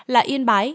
là yên bái